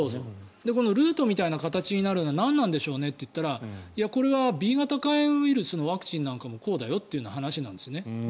このルートみたいな形になるのはなんでしょうねと言ったらＢ型肝炎ウイルスのワクチンなんかもこうだよという話なんですね。